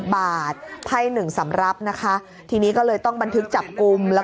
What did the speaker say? บาทไพ่๑สำรับนะคะทีนี้ก็เลยต้องบันทึกจับกลุ่มแล้ว